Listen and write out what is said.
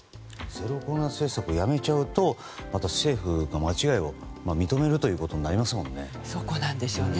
ゼロコロナ政策をやめちゃうと、また政府が間違いを認めちゃうということになりますもんね。